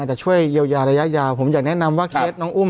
อาจจะช่วยยาวยาวยาวยาวผมอยากแนะนำว่าครับน้องอุ้ม